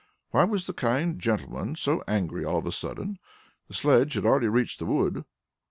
Why was the kind gentleman so angry all of a sudden? The sledge had already reached the wood.